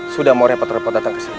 sudah mau repot repot datang ke sini